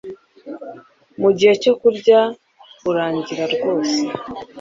mu gihe cyo kurya urangira rwose